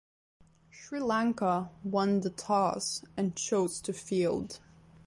Sri Lanka won the toss and chose to field.